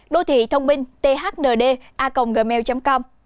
đô thị thông minh thnd a gmail com